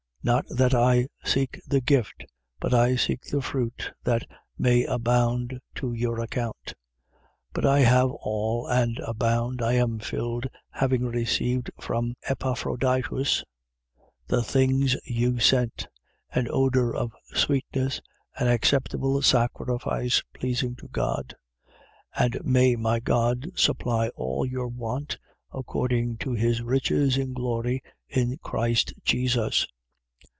4:17. Not that I seek the gift: but I seek the fruit that may abound to your account. 4:18. But I have all and abound: I am filled, having received from Epaphroditus the things you sent, an odour of sweetness, an acceptable sacrifice, pleasing to God. 4:19. And may my God supply all your want, according to his riches in glory in Christ Jesus.